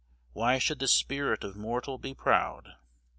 why should the spirit of mortal be proud?"